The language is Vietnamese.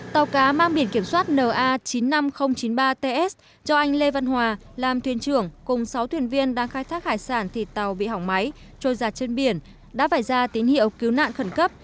tàu cá mang biển kiểm soát na chín mươi năm nghìn chín mươi ba ts cho anh lê văn hòa làm thuyền trưởng cùng sáu thuyền viên đang khai thác hải sản thì tàu bị hỏng máy trôi giặt trên biển đã phải ra tín hiệu cứu nạn khẩn cấp